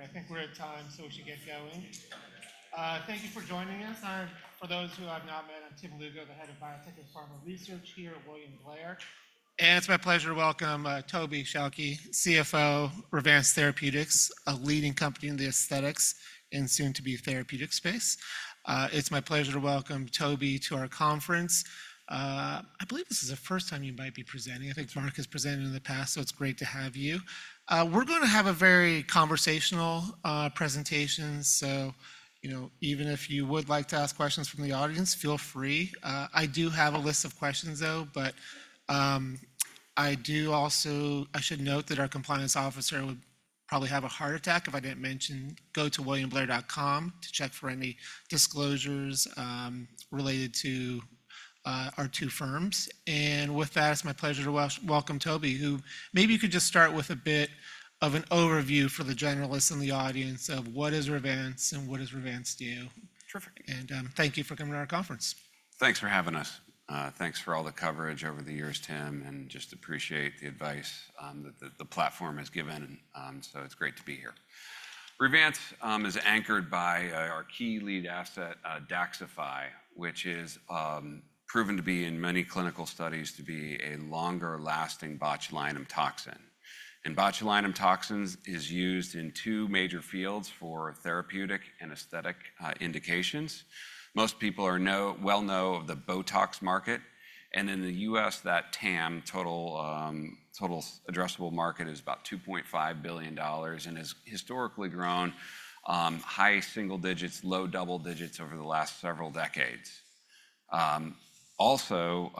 All right, I think we're at time, so we should get going. Thank you for joining us. For those who I've not met, I'm Tim Lugo, the head of biotech and pharma research here at William Blair. It's my pleasure to welcome Toby Schilke, CFO, Revance Therapeutics, a leading company in the aesthetics and soon-to-be therapeutic space. It's my pleasure to welcome Toby to our conference. I believe this is the first time you might be presenting. I think Mark has presented in the past, so it's great to have you. We're gonna have a very conversational presentation, so, you know, even if you would like to ask questions from the audience, feel free. I do have a list of questions, though, but I do also—I should note that our compliance officer would probably have a heart attack if I didn't mention, go to williamblair.com to check for any disclosures, related to our two firms. And with that, it's my pleasure to welcome Toby, who maybe you could just start with a bit of an overview for the generalists in the audience of what is Revance and what does Revance do? Terrific. Thank you for coming to our conference. Thanks for having us. Thanks for all the coverage over the years, Tim, and just appreciate the advice that the platform has given, and so it's great to be here. Revance is anchored by our key lead asset, DAXXIFY, which is proven to be in many clinical studies to be a longer-lasting botulinum toxin. Botulinum toxins is used in two major fields for therapeutic and aesthetic indications. Most people well know of the BOTOX market, and in the U.S., that TAM, total addressable market, is about $2.5 billion and has historically grown high single digits, low double digits over the last several decades. Also,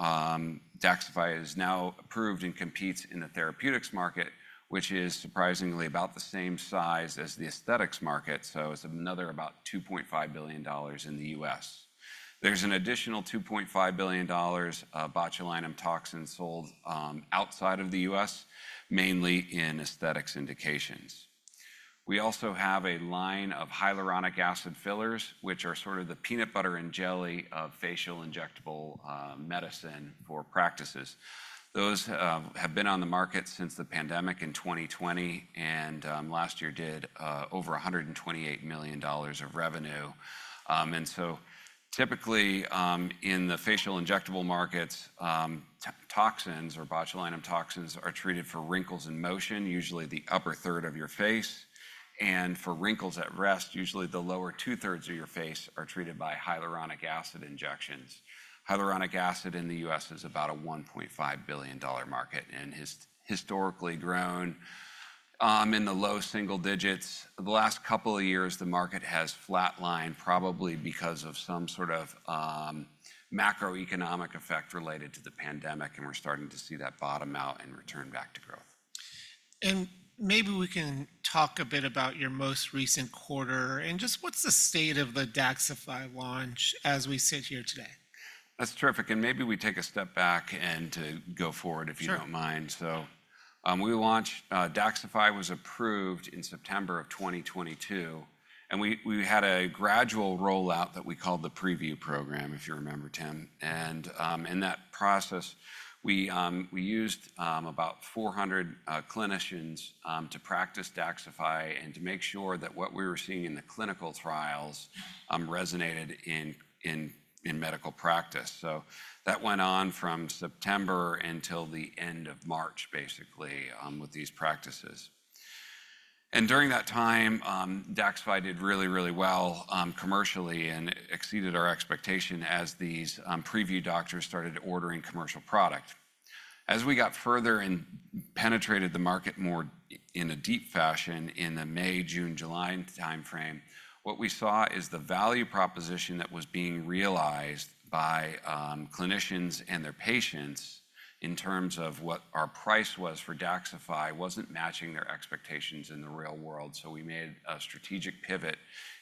DAXXIFY is now approved and competes in the therapeutics market, which is surprisingly about the same size as the aesthetics market, so it's another about $2.5 billion in the U.S. There's an additional $2.5 billion of botulinum toxin sold outside of the U.S., mainly in aesthetics indications. We also have a line of hyaluronic acid fillers, which are sort of the peanut butter and jelly of facial injectable medicine for practices. Those have been on the market since the pandemic in 2020, and last year did over $128 million of revenue. Typically, in the facial injectable markets, toxins or botulinum toxins are treated for wrinkles in motion, usually the upper third of your face, and for wrinkles at rest, usually the lower two-thirds of your face are treated by hyaluronic acid injections. Hyaluronic acid in the U.S. is about a $1.5 billion market and has historically grown in the low single digits. The last couple of years, the market has flatlined, probably because of some sort of macroeconomic effect related to the pandemic, and we're starting to see that bottom out and return back to growth. Maybe we can talk a bit about your most recent quarter, and just what's the state of the DAXXIFY launch as we sit here today? That's terrific, and maybe we take a step back and to go forward- Sure. If you don't mind. So, we launched, DAXXIFY was approved in September of 2022, and we had a gradual rollout that we called the preview program, if you remember, Tim. And, in that process, we used about 400 clinicians to practice DAXXIFY and to make sure that what we were seeing in the clinical trials resonated in medical practice. So that went on from September until the end of March, basically, with these practices. And during that time, DAXXIFY did really, really well, commercially and exceeded our expectation as these preview doctors started ordering commercial product. As we got further and penetrated the market more in a deep fashion in the May, June, July timeframe, what we saw is the value proposition that was being realized by clinicians and their patients in terms of what our price was for DAXXIFY wasn't matching their expectations in the real world. So we made a strategic pivot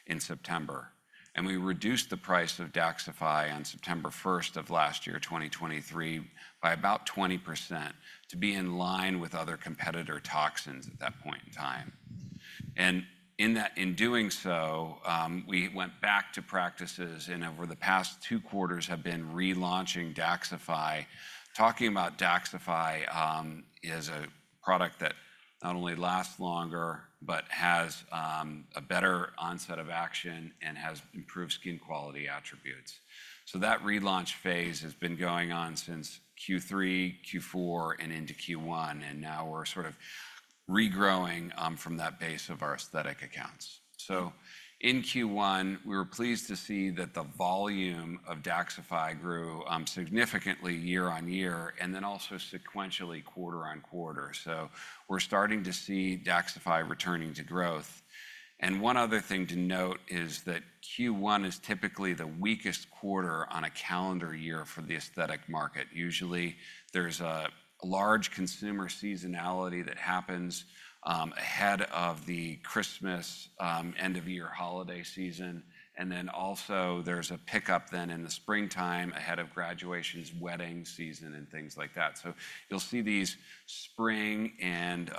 in September, and we reduced the price of DAXXIFY on September first of last year, 2023, by about 20% to be in line with other competitor toxins at that point in time. And in that... in doing so, we went back to practices, and over the past two quarters have been relaunching DAXXIFY. Talking about DAXXIFY is a product that not only lasts longer but has a better onset of action and has improved skin quality attributes. So that relaunch phase has been going on since Q3, Q4, and into Q1, and now we're sort of regrowing from that base of our aesthetic accounts. So in Q1, we were pleased to see that the volume of DAXXIFY grew significantly year-over-year, and then also sequentially quarter-over-quarter. So we're starting to see DAXXIFY returning to growth. And one other thing to note is that Q1 is typically the weakest quarter on a calendar year for the aesthetic market. Usually, there's a large consumer seasonality that happens ahead of the Christmas end-of-year holiday season, and then also there's a pickup then in the springtime ahead of graduations, wedding season, and things like that. So you'll see these spring and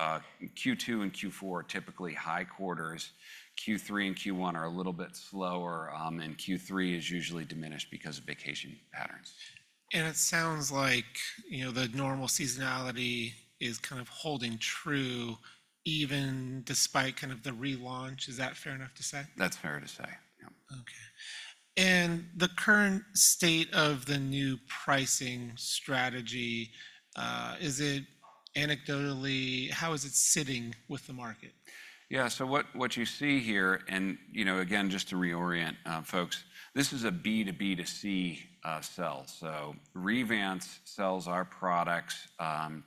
Q2 and Q4 are typically high quarters. Q3 and Q1 are a little bit slower, and Q3 is usually diminished because of vacation patterns. It sounds like, you know, the normal seasonality is kind of holding true, even despite kind of the relaunch. Is that fair enough to say? That's fair to say, yeah. Okay. And the current state of the new pricing strategy, is it anecdotally, how is it sitting with the market? Yeah, so what you see here, and, you know, again, just to reorient folks, this is a B2B2C sell. So Revance sells our products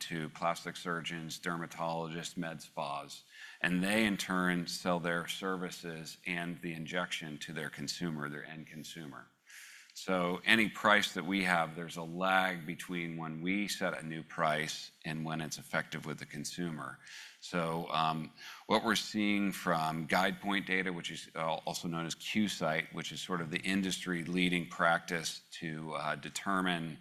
to plastic surgeons, dermatologists, med spas, and they in turn sell their services and the injection to their consumer, their end consumer. So, what we're seeing from Guidepoint data, which is also known as Qsight, which is sort of the industry-leading practice to determine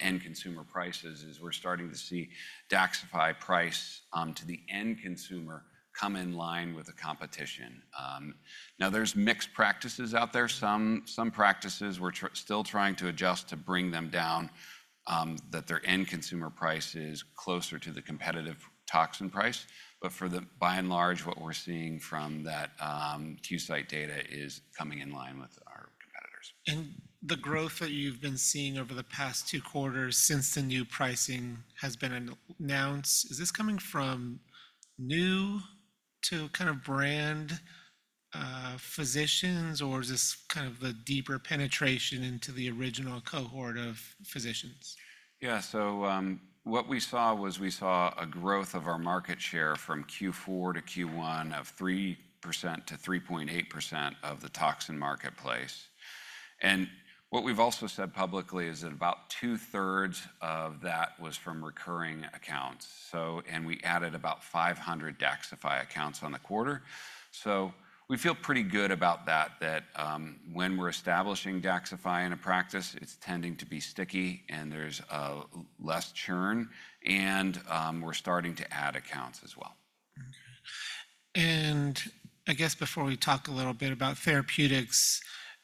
end consumer prices, is we're starting to see DAXXIFY price to the end consumer come in line with the competition. Now, there's mixed practices out there. Some practices we're still trying to adjust to bring them down, that their end consumer price is closer to the competitive toxin price. But for the... By and large, what we're seeing from that, Qsight data is coming in line with our competitors. The growth that you've been seeing over the past two quarters since the new pricing has been announced, is this coming from new to kind of brand physicians, or is this kind of a deeper penetration into the original cohort of physicians? Yeah. So, what we saw was a growth of our market share from Q4 to Q1 of 3%-3.8% of the toxin marketplace. And what we've also said publicly is that about two-thirds of that was from recurring accounts. So, and we added about 500 DAXXIFY accounts on the quarter. So we feel pretty good about that, when we're establishing DAXXIFY in a practice, it's tending to be sticky, and there's less churn, and we're starting to add accounts as well. Mm-hmm. And I guess before we talk a little bit about therapeutics,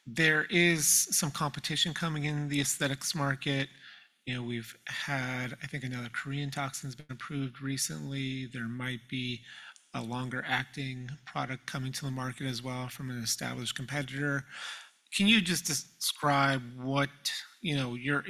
there is some competition coming in the aesthetics market. You know, we've had... I think another Korean toxin's been approved recently. There might be a longer-acting product coming to the market as well from an established competitor. Can you just describe what... You know, you're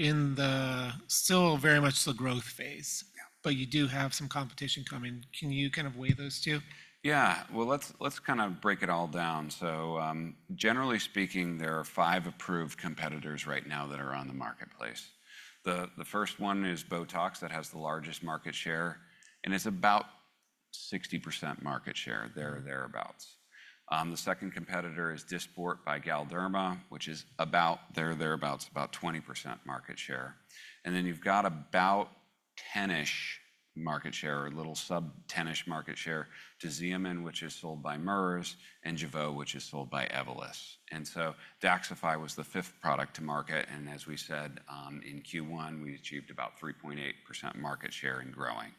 still very much in the growth phase- Yeah. but you do have some competition coming. Can you kind of weigh those two? Yeah. Well, let's, let's kind of break it all down. So, generally speaking, there are five approved competitors right now that are on the marketplace. The, the first one is BOTOX. That has the largest market share, and it's about 60% market share, there or thereabouts. The second competitor is Dysport by Galderma, which is about there or thereabouts, about 20% market share. And then you've got about 10-ish market share, or a little sub-10-ish market share, to Xeomin, which is sold by Merz, and Jeuveau, which is sold by Evolus. And so DAXXIFY was the fifth product to market, and as we said, in Q1, we achieved about 3.8% market share and growing.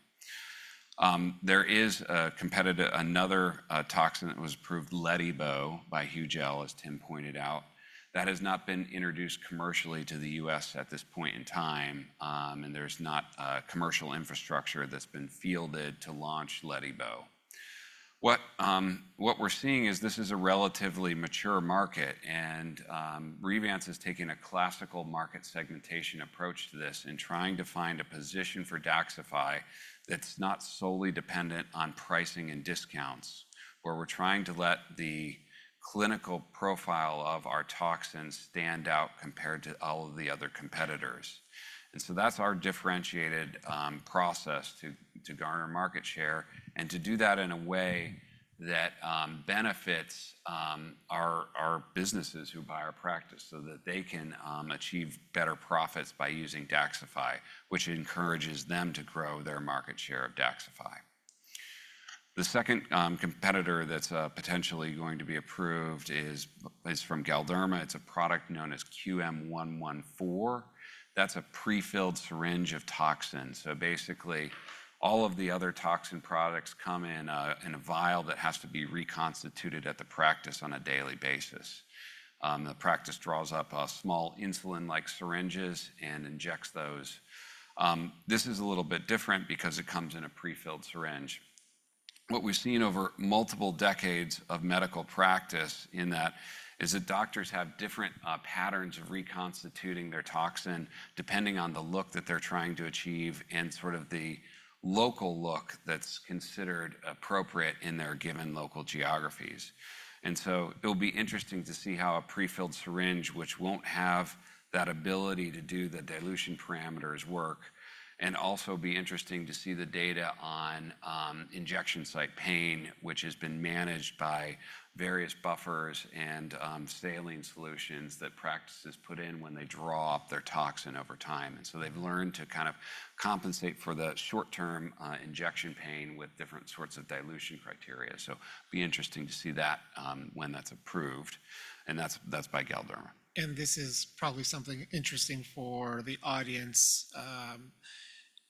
There is a competitor, another, toxin that was approved, Letybo, by Hugel, as Tim pointed out. That has not been introduced commercially to the U.S. at this point in time, and there's not a commercial infrastructure that's been fielded to launch Letybo. What we're seeing is this is a relatively mature market, and Revance is taking a classical market segmentation approach to this and trying to find a position for DAXXIFY that's not solely dependent on pricing and discounts, where we're trying to let the clinical profile of our toxin stand out compared to all of the other competitors. And so that's our differentiated process to garner market share and to do that in a way that benefits our businesses who buy our practice so that they can achieve better profits by using DAXXIFY, which encourages them to grow their market share of DAXXIFY. The second competitor that's potentially going to be approved is from Galderma. It's a product known as QM1114. That's a prefilled syringe of toxin. So basically, all of the other toxin products come in a vial that has to be reconstituted at the practice on a daily basis. The practice draws up small insulin-like syringes and injects those. This is a little bit different because it comes in a prefilled syringe. What we've seen over multiple decades of medical practice in that is that doctors have different patterns of reconstituting their toxin, depending on the look that they're trying to achieve and sort of the local look that's considered appropriate in their given local geographies. So it'll be interesting to see how a prefilled syringe, which won't have that ability to do the dilution parameters, work. And also be interesting to see the data on injection site pain, which has been managed by various buffers and saline solutions that practices put in when they draw up their toxin over time. And so they've learned to kind of compensate for the short-term injection pain with different sorts of dilution criteria. So it'll be interesting to see that when that's approved, and that's, that's by Galderma. This is probably something interesting for the audience.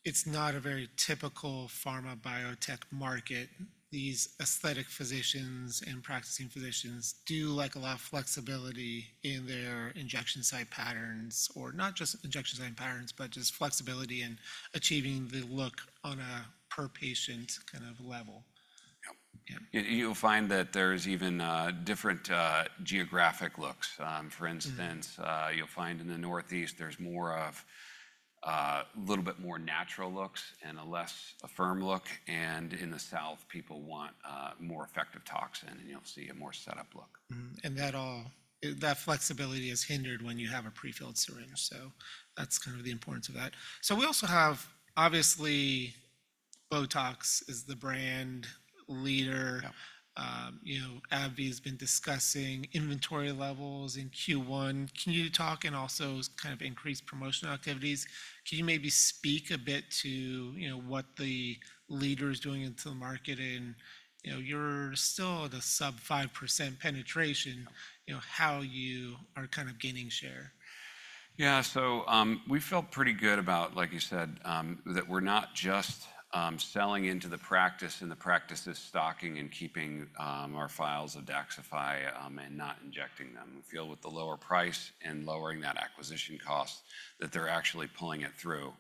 It's not a very typical pharma biotech market. These aesthetic physicians and practicing physicians do like a lot of flexibility in their injection site patterns, or not just injection site patterns, but just flexibility in achieving the look on a per-patient kind of level. Yep. Yeah. You'll find that there's even different geographic looks. For instance- Mm-hmm You'll find in the Northeast there's more of a little bit more natural looks and a less frozen look, and in the South, people want more effective toxin, and you'll see a more frozen look. Mm-hmm. And all that flexibility is hindered when you have a pre-filled syringe, so that's kind of the importance of that. So we also have, obviously, BOTOX is the brand leader. Yep. You know, AbbVie has been discussing inventory levels in Q1. Can you talk. And also, kind of increased promotional activities. Can you maybe speak a bit to, you know, what the leader is doing into the market? And, you know, you're still at a sub-5% penetration- Yep You know, how you are kind of gaining share. Yeah. So, we feel pretty good about, like you said, that we're not just selling into the practice and the practices stocking and keeping our vials of DAXXIFY, and not injecting them. We feel with the lower price and lowering that acquisition cost, that they're actually pulling it through.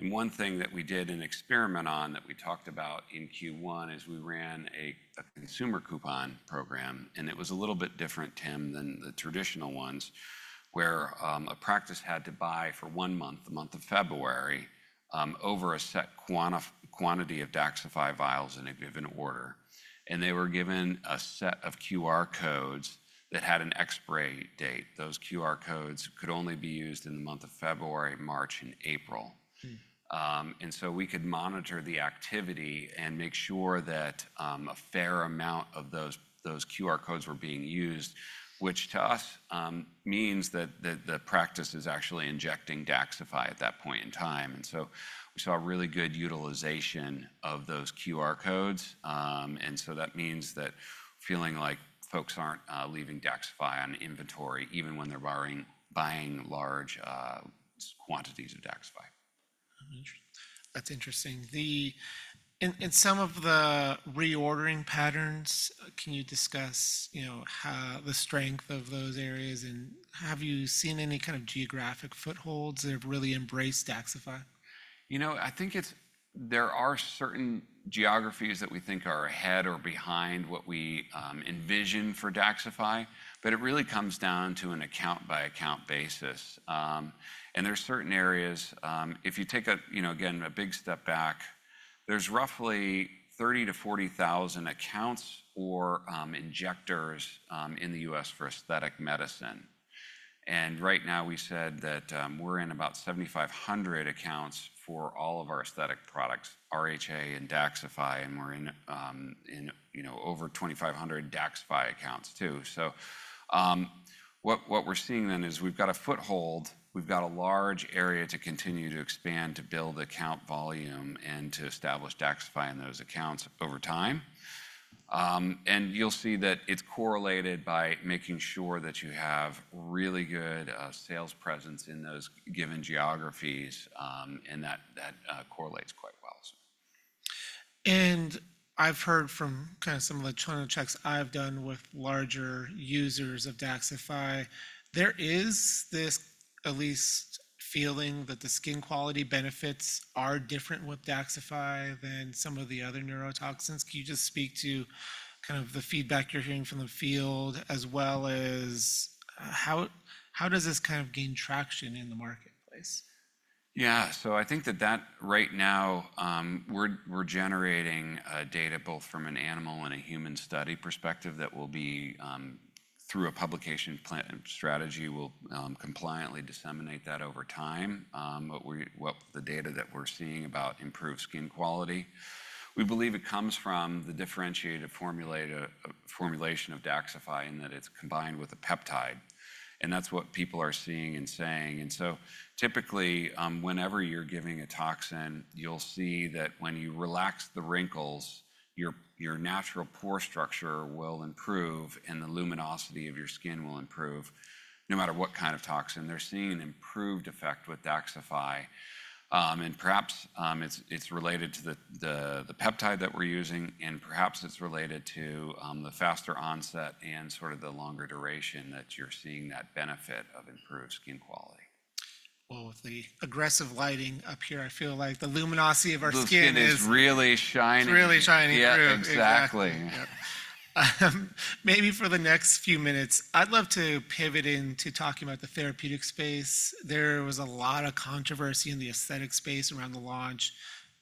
And one thing that we did an experiment on, that we talked about in Q1, is we ran a consumer coupon program, and it was a little bit different, Tim, than the traditional ones, where a practice had to buy for one month, the month of February, over a set quantity of DAXXIFY vials in a given order. And they were given a set of QR codes that had an expiration date. Those QR codes could only be used in the month of February, March, and April. Mm. And so we could monitor the activity and make sure that a fair amount of those those QR codes were being used, which, to us, means that the the practice is actually injecting DAXXIFY at that point in time. And so we saw a really good utilization of those QR codes. And so that means that feeling like folks aren't leaving DAXXIFY on inventory, even when they're buying large quantities of DAXXIFY. That's interesting. In some of the reordering patterns, can you discuss, you know, how the strength of those areas, and have you seen any kind of geographic footholds that have really embraced DAXXIFY? You know, I think it's, there are certain geographies that we think are ahead or behind what we envision for DAXXIFY, but it really comes down to an account-by-account basis. And there are certain areas, if you take a, you know, again, a big step back, there's roughly 30,000-40,000 accounts or injectors in the U.S. for aesthetic medicine. And right now, we said that we're in about 7,500 accounts for all of our aesthetic products, RHA and DAXXIFY, and we're in, you know, over 2,500 DAXXIFY accounts, too. So, what we're seeing then is we've got a foothold, we've got a large area to continue to expand, to build account volume, and to establish DAXXIFY in those accounts over time. You'll see that it's correlated by making sure that you have really good sales presence in those given geographies, and that correlates quite well as well. I've heard from kind of some of the channel checks I've done with larger users of DAXXIFY, there is this at least feeling that the skin quality benefits are different with DAXXIFY than some of the other neurotoxins. Can you just speak to kind of the feedback you're hearing from the field, as well as, how, how does this kind of gain traction in the marketplace? Yeah. So I think that that, right now, we're generating data both from an animal and a human study perspective that will be through a publication plan and strategy, we'll compliantly disseminate that over time. What the data that we're seeing about improved skin quality, we believe it comes from the differentiated formulation of DAXXIFY, and that it's combined with a peptide, and that's what people are seeing and saying. And so typically, whenever you're giving a toxin, you'll see that when you relax the wrinkles, your natural pore structure will improve, and the luminosity of your skin will improve, no matter what kind of toxin. They're seeing an improved effect with DAXXIFY. And perhaps it's related to the peptide that we're using, and perhaps it's related to the faster onset and sort of the longer duration that you're seeing that benefit of improved skin quality. Well, with the aggressive lighting up here, I feel like the luminosity of our skin is- The skin is really shining. It's really shining through. Yeah, exactly. Yep. Maybe for the next few minutes, I'd love to pivot into talking about the therapeutic space. There was a lot of controversy in the aesthetic space around the launch.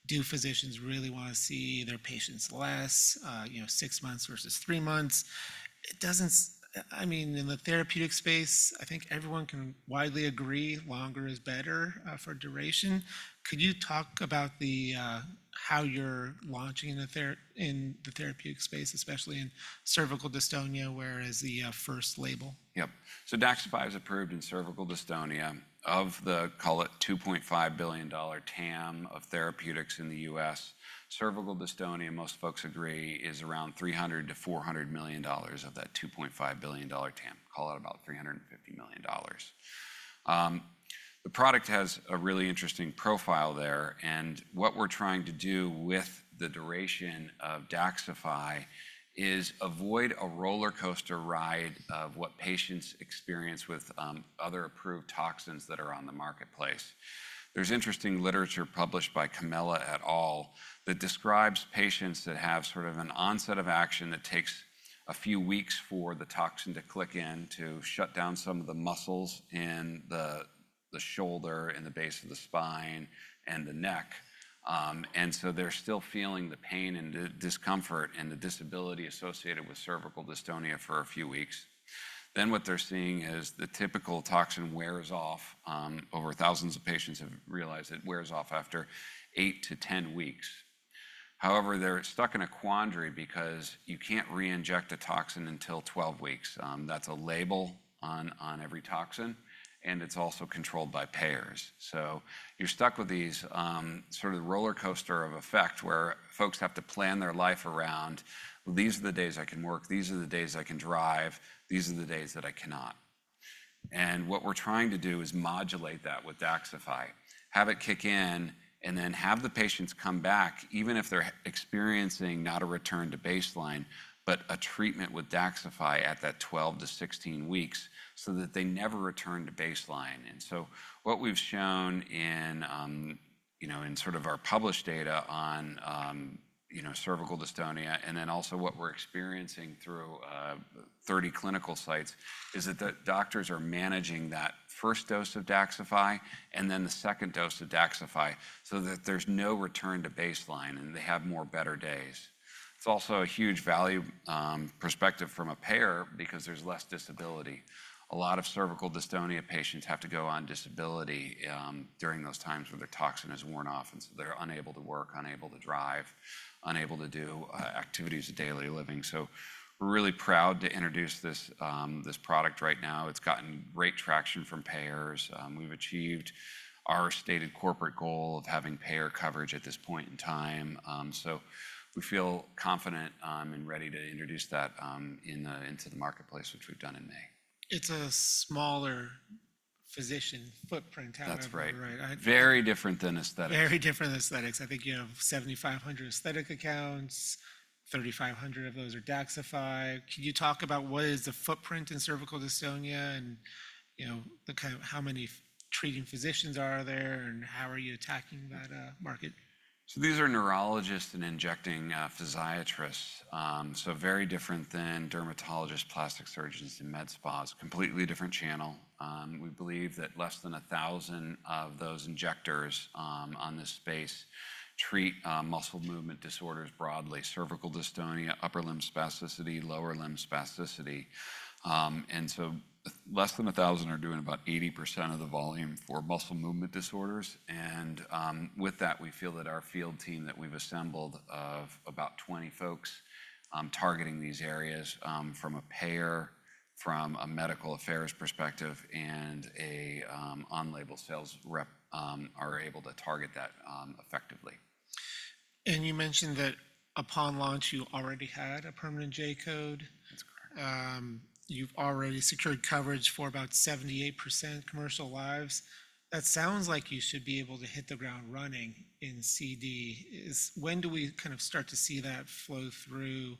Do physicians really want to see their patients less, you know, six months versus three months? It doesn't. I mean, in the therapeutic space, I think everyone can widely agree, longer is better, for duration. Could you talk about how you're launching in the therapeutic space, especially in cervical dystonia, where is the first label? Yep. So DAXXIFY is approved in cervical dystonia. Of the, call it, $2.5 billion TAM of therapeutics in the U.S., cervical dystonia, most folks agree, is around $300 million-$400 million of that $2.5 billion TAM. Call it about $350 million. The product has a really interesting profile there, and what we're trying to do with the duration of DAXXIFY is avoid a rollercoaster ride of what patients experience with, other approved toxins that are on the marketplace. There's interesting literature published by Comella et al., that describes patients that have sort of an onset of action that takes a few weeks for the toxin to kick in, to shut down some of the muscles in the shoulder and the base of the spine and the neck. And so they're still feeling the pain and discomfort and the disability associated with cervical dystonia for a few weeks. Then, what they're seeing is the typical toxin wears off, over thousands of patients have realized it wears off after 8-10 weeks. However, they're stuck in a quandary because you can't reinject a toxin until 12 weeks. That's a label on every toxin, and it's also controlled by payers. So you're stuck with these sort of rollercoaster of effect, where folks have to plan their life around, "These are the days I can work. These are the days I can drive. These are the days that I cannot." And what we're trying to do is modulate that with DAXXIFY, have it kick in, and then have the patients come back, even if they're experiencing not a return to baseline, but a treatment with DAXXIFY at that 12-16 weeks so that they never return to baseline. And so what we've shown in, you know, in sort of our published data on, you know, cervical dystonia, and then also what we're experiencing through, 30 clinical sites, is that the doctors are managing that first dose of DAXXIFY, and then the second dose of DAXXIFY, so that there's no return to baseline, and they have more better days. It's also a huge value, perspective from a payer because there's less disability. A lot of cervical dystonia patients have to go on disability during those times where their toxin has worn off, and so they're unable to work, unable to drive, unable to do activities of daily living. So we're really proud to introduce this product right now. It's gotten great traction from payers. We've achieved our stated corporate goal of having payer coverage at this point in time. So we feel confident and ready to introduce that into the marketplace, which we've done in May. It's a smaller physician footprint, however- That's right. Right? I- Very different than aesthetics. Very different than aesthetics. I think you have 7,500 aesthetic accounts, 3,500 of those are DAXXIFY. Can you talk about what is the footprint in cervical dystonia, and, you know, the kind of- how many treating physicians are there, and how are you attacking that market? So these are neurologists and injecting physiatrists. So very different than dermatologists, plastic surgeons, and med spas, completely different channel. We believe that less than 1,000 of those injectors on this space treat muscle movement disorders broadly, cervical dystonia, upper limb spasticity, lower limb spasticity. And so less than 1,000 are doing about 80% of the volume for muscle movement disorders. And with that, we feel that our field team that we've assembled, of about 20 folks, targeting these areas, from a payer, from a medical affairs perspective, and a on-label sales rep, are able to target that effectively. You mentioned that upon launch, you already had a permanent J-code. That's correct. You've already secured coverage for about 78% commercial lives. That sounds like you should be able to hit the ground running in CD. When do we kind of start to see that flow through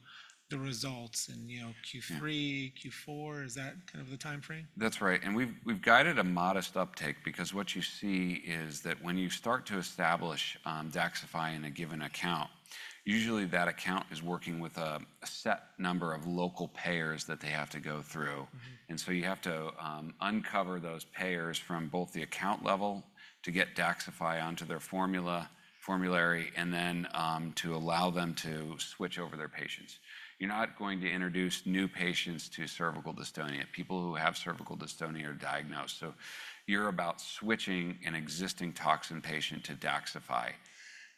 the results in, you know- Yeah... Q3, Q4? Is that kind of the time frame? That's right. And we've guided a modest uptake because what you see is that when you start to establish DAXXIFY in a given account, usually that account is working with a set number of local payers that they have to go through. Mm-hmm. And so you have to uncover those payers from both the account level to get DAXXIFY onto their formulary, and then to allow them to switch over their patients. You're not going to introduce new patients to cervical dystonia. People who have cervical dystonia are diagnosed, so you're about switching an existing toxin patient to DAXXIFY.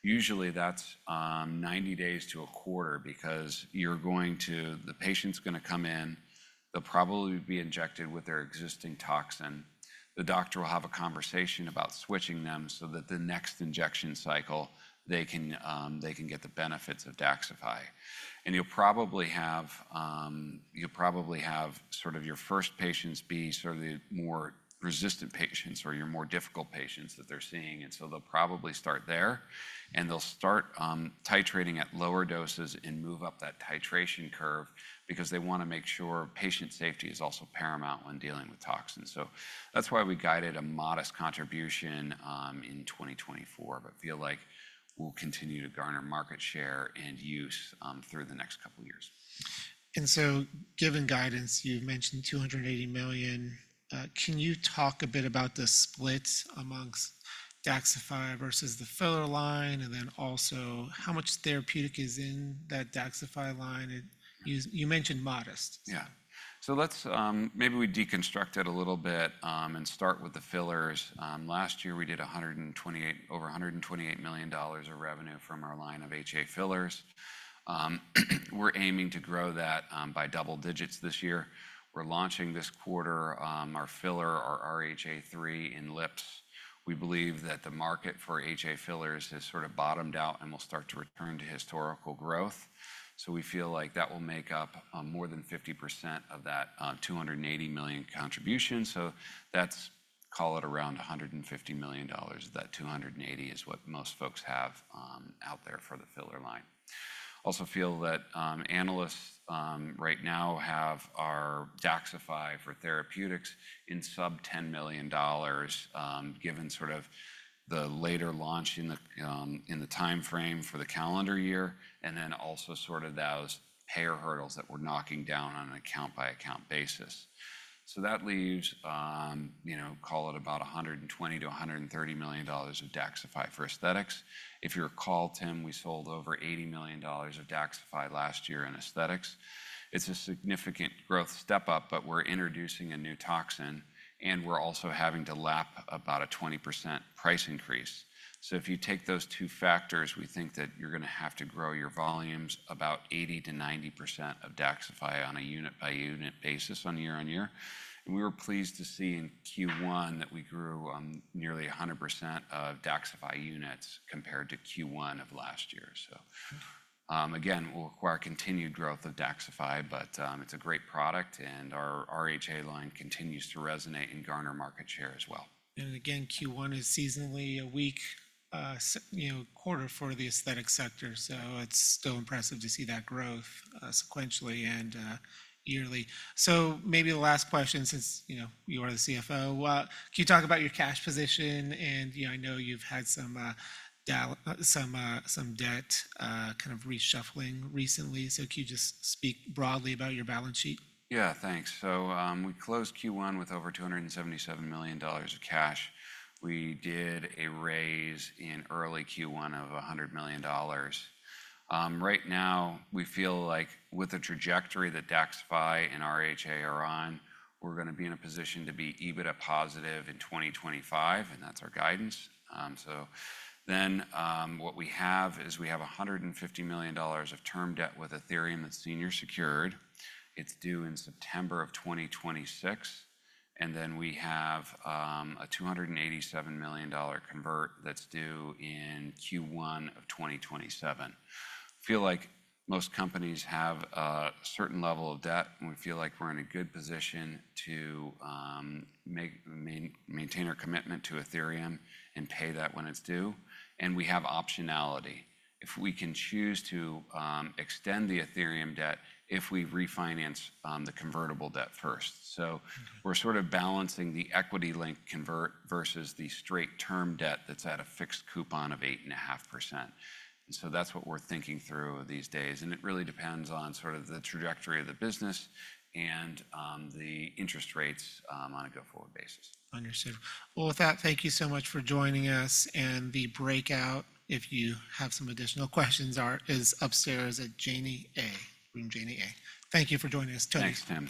Usually, that's 90 days to a quarter because you're going to, the patient's gonna come in. They'll probably be injected with their existing toxin. The doctor will have a conversation about switching them so that the next injection cycle, they can get the benefits of DAXXIFY. And you'll probably have, you'll probably have sort of your first patients be sort of the more resistant patients or your more difficult patients that they're seeing, and so they'll probably start there. They'll start titrating at lower doses and move up that titration curve because they wanna make sure patient safety is also paramount when dealing with toxins. So that's why we guided a modest contribution in 2024, but feel like we'll continue to garner market share and use through the next couple of years. Given guidance, you've mentioned $280 million. Can you talk a bit about the split among DAXXIFY versus the filler line, and then also, how much therapeutic is in that DAXXIFY line? It- Yes. You mentioned modest. Yeah. So let's maybe deconstruct it a little bit and start with the fillers. Last year, we did over $128 million of revenue from our line of HA fillers. We're aiming to grow that by double digits this year. We're launching this quarter our filler, our RHA 3 in lips. We believe that the market for HA fillers has sort of bottomed out and will start to return to historical growth. So we feel like that will make up more than 50% of that $280 million contribution. So that's, call it around $150 million. That $280 million is what most folks have out there for the filler line. Also feel that, analysts, right now have our DAXXIFY for therapeutics in sub-$10 million, given sort of the later launch in the, in the time frame for the calendar year, and then also sort of those payer hurdles that we're knocking down on an account-by-account basis. So that leaves, you know, call it about $120 million-$130 million of DAXXIFY for aesthetics. If you recall, Tim, we sold over $80 million of DAXXIFY last year in aesthetics. It's a significant growth step up, but we're introducing a new toxin, and we're also having to lap about a 20% price increase. So if you take those two factors, we think that you're going to have to grow your volumes about 80%-90% of DAXXIFY on a unit-by-unit basis on year-on-year. We were pleased to see in Q1 that we grew nearly 100% of DAXXIFY units compared to Q1 of last year. Again, we'll require continued growth of DAXXIFY, but it's a great product, and our RHA line continues to resonate and garner market share as well. And again, Q1 is seasonally a weak, you know, quarter for the aesthetic sector, so it's still impressive to see that growth, sequentially and yearly. So maybe the last question, since, you know, you are the CFO, can you talk about your cash position? And, you know, I know you've had some debt kind of reshuffling recently. So can you just speak broadly about your balance sheet? Yeah, thanks. So, we closed Q1 with over $277 million of cash. We did a raise in early Q1 of $100 million. Right now, we feel like with the trajectory that DAXXIFY and RHA are on, we're going to be in a position to be EBITDA positive in 2025, and that's our guidance. So then, what we have is we have $150 million of term debt with Athyrium that's senior secured. It's due in September of 2026, and then we have a $287 million convert that's due in Q1 of 2027. Feel like most companies have a certain level of debt, and we feel like we're in a good position to maintain our commitment to Athyrium and pay that when it's due. And we have optionality. If we can choose to extend the Athyrium debt, if we refinance the convertible debt first. So we're sort of balancing the equity-linked convert versus the straight term debt that's at a fixed coupon of 8.5%. And so that's what we're thinking through these days, and it really depends on sort of the trajectory of the business and the interest rates on a go-forward basis. Understood. Well, with that, thank you so much for joining us, and the breakout, if you have some additional questions, is upstairs at Cheney A, room Cheney A. Thank you for joining us, Toby. Thanks, Tim.